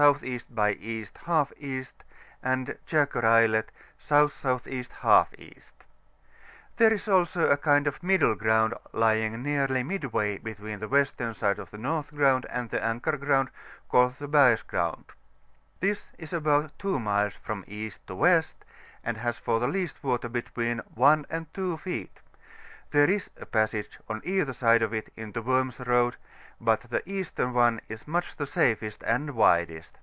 E. by E. J E. ; and Kakor Islet S.S.E. JE. There is also a kind of middle ground lying nearly midway between the western side of the North Ground and the Ankar Ground, called the fiaes Ground; this is about 2 miles from east to west, and has for the least water between 1 and 2 feet; there is a passage on either side of it into Worms Road, but the eastern one is much the safest and widest.